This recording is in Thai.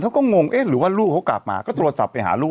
งงเอ๊ะหรือว่าลูกเขากลับมาก็โทรศัพท์ไปหาลูก